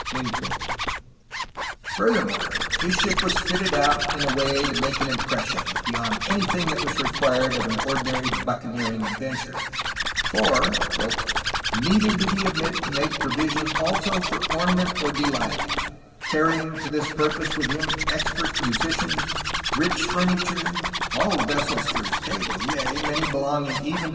100 A HISTORY OF CALIFORNIA Furthermore, his ship was fitted out in a way to make an impression, beyond anything that was required of an ordinary buccaneering adventure, for "neither did he omit to make provision also for ornament or de hght, carrying to this purpose with him expert musitians, rich fur niture (all the vessels for his table, yea, many belonging even to.